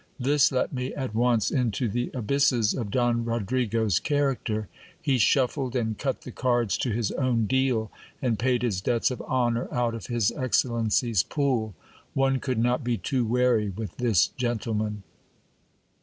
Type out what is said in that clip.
This let me at once into the abysses of Don Rodrigo's character. He shuffled and cut the cards to his own deal, and paid his debts of honour out of his excellency's pool. One could not be too wary with this gentleman.